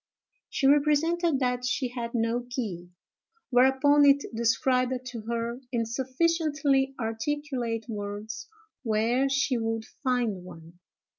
She represented that she had no key: whereupon, it described to her, in sufficiently articulate words, where she would find one.